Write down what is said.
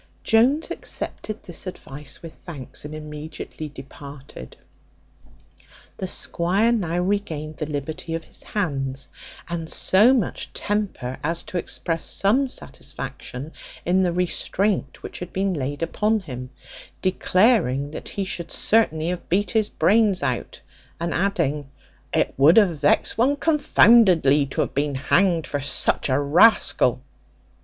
Jones accepted this advice with thanks, and immediately departed. The squire now regained the liberty of his hands, and so much temper as to express some satisfaction in the restraint which had been laid upon him; declaring that he should certainly have beat his brains out; and adding, "It would have vexed one confoundedly to have been hanged for such a rascal."